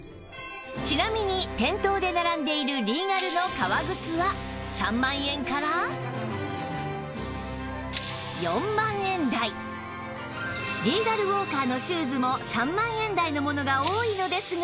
ちなみに店頭で並んでいるリーガルの革靴は３万円から４万円台リーガルウォーカーのシューズも３万円台のものが多いのですが